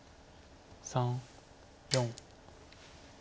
３４。